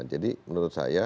jadi menurut saya